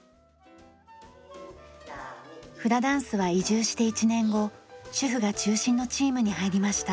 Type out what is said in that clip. フラダンスは移住して１年後主婦が中心のチームに入りました。